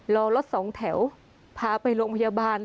รอรถสองแถวพาไปโรงพยาบาล